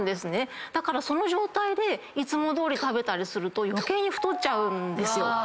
その状態でいつもどおり食べたりすると余計に太っちゃうんですよ。